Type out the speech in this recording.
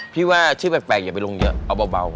พี่ว่าชื่อแปลกอย่าไปลงเยอะเอาเบา